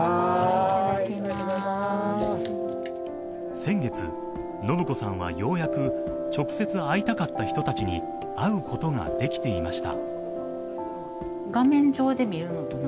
先月、伸子さんはようやく直接会いたかった人たちに会うことができていました。